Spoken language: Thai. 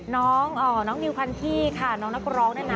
น้องนิวคันที่ค่ะน้องนักร้องเนี่ยนะ